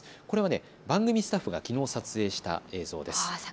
これは番組スタッフがきのう撮影した映像です。